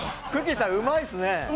さん、うまいっすね。